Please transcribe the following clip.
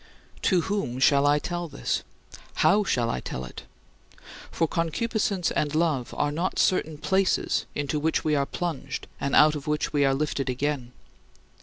To whom shall I tell this? How shall I tell it? For concupiscence and love are not certain "places" into which we are plunged and out of which we are lifted again.